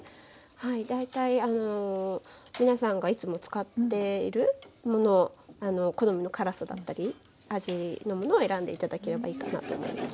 だいたい皆さんがいつも使っているもの好みの辛さだったり味のものを選んでいただければいいかなと思います。